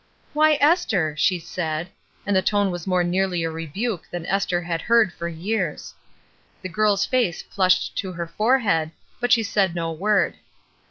"Why, Esther 1" she said. And the tone was more nearly a rebuke than Esther had heard for years. The girl's face flushed to her forehead, but she said no word.